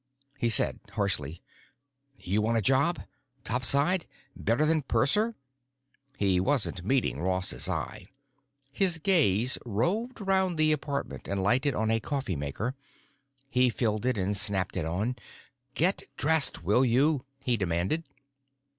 He said harshly: "You want a job? Topside? Better than purser?" He wasn't meeting Ross's eye. His gaze roved around the apartment and lighted on a coffee maker. He filled it and snapped it on. "Get dressed, will you?" he demanded.